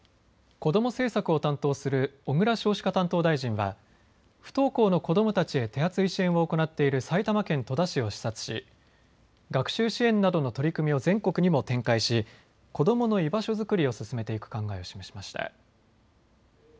こども政策を担当する小倉少子化担当大臣は不登校の子どもたちへ手厚い支援を行っている埼玉県戸田市を視察し学習支援などの取り組みを全国にも展開し子どもの居場所作りを進めていく考えを示しました。